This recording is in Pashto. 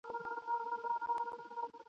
درلېږل چي مي نظمونه هغه نه یم ..